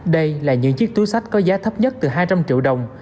đây là những chiếc túi sách có giá thấp nhất từ hai trăm linh triệu đồng